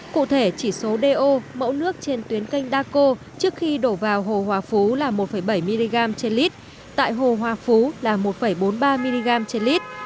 cụ thể chỉ số do mẫu nước trên tuyến canh daco trước khi đổ vào hồ hòa phú là một bảy mg trên lít tại hồ hòa phú là một bốn mươi ba mg trên lít